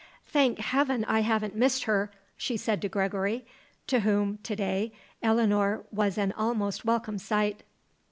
"Thank heaven, I haven't missed her!" she said to Gregory, to whom, to day, Eleanor was an almost welcome sight.